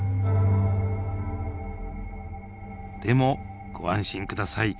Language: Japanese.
でもご安心下さい。